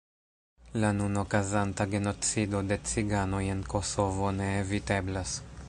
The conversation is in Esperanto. La nun okazanta genocido de ciganoj en Kosovo ne eviteblas.